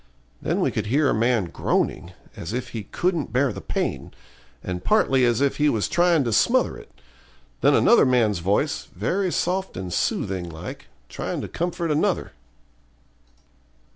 Then we could hear a man groaning, as if he couldn't bear the pain, and partly as if he was trying to smother it. Then another man's voice, very soft and soothing like, trying to comfort another.